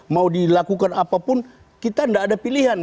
mau dilakukan apapun kita tidak ada pilihan